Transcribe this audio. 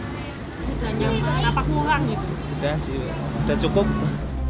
bagi pengendara harus ekstra berhati hati saat hujan deras